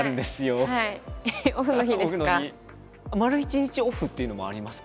丸一日オフっていうのもありますか？